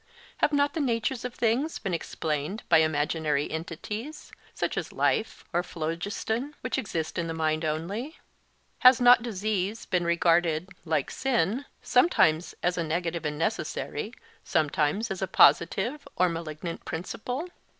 Have not the natures of things been explained by imaginary entities, such as life or phlogiston, which exist in the mind only? Has not disease been regarded, like sin, sometimes as a negative and necessary, sometimes as a positive or malignant principle?